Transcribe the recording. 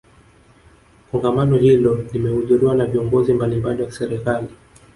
kongamano hilo limehudhuriwa na viongozi mbalimbali wa serikali